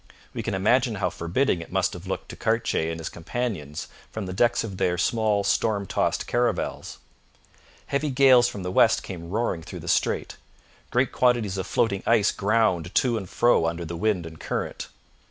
We can imagine how forbidding it must have looked to Cartier and his companions from the decks of their small storm tossed caravels. Heavy gales from the west came roaring through the strait. Great quantities of floating ice ground to and fro under the wind and current.